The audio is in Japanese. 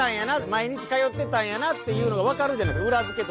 毎日通ってたんやなっていうのが分かるじゃないですか